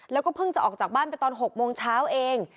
แล้วก็เพิ่งจะออกจากบ้านไปตอน๖โมงเช้าเอง